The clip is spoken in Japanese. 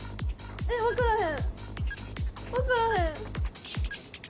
えっ、分からへん。